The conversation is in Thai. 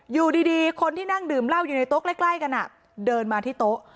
อยู่ดีคนที่นั่งดื่มเหล้าอยู่ในโต๊ะใกล้กันเดินมาที่โต๊ะ